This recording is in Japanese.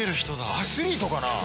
アスリートかな？